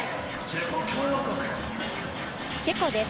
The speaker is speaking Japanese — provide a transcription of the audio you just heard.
チェコです。